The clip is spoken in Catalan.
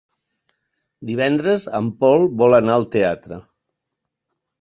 Divendres en Pol vol anar al teatre.